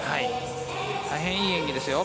大変いい演技ですよ。